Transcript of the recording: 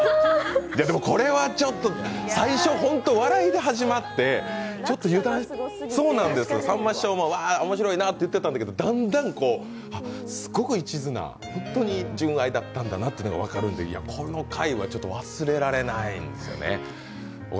でもこれはちょっと、最初ホント笑いで始まってちょっと油断して、さんま師匠もわあ、面白いなって言ってたんだけどだんだん、すごく一途な、本当に純愛だったなって分かるんでこの回は忘れられないんですよね。